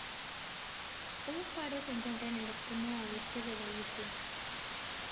Un faro se encuentra en el extremo oeste de la isla.